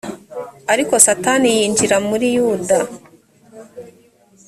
ariko satani yinjira muri yuda